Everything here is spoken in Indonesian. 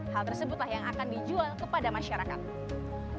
hal tersebutlah yang akan dijual ke perusahaan startup